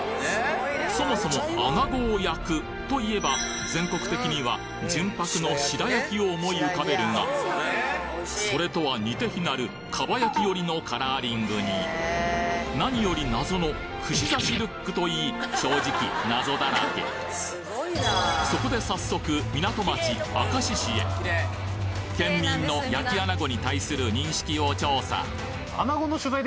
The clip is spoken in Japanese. そもそも穴子を焼くといえば全国的には純白の白焼きを思い浮かべるがそれとは似て非なる蒲焼き寄りのカラーリングに何より謎の串刺しルックといい正直謎だらけそこで早速港町明石市へ県民の焼き穴子。